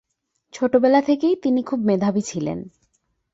ছোটবেলা থেকেই তিনি খুব মেধাবী ছিলেন।